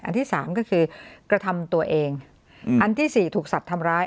อันที่สามก็คือกระทำตัวเองอันที่สี่ถูกสัตว์ทำร้าย